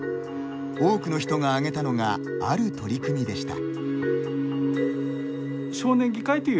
多くの人が挙げたのがある取り組みでした。